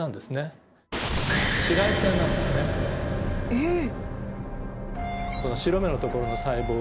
えっ！